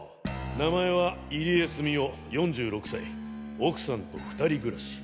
名前は入江角夫４６歳奥さんと二人暮らし。